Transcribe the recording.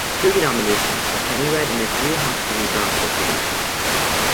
Two denominations, a penny red and a three halfpenny brown, were produced.